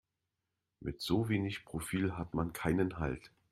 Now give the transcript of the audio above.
Mit so wenig Profil hat man keinen Halt.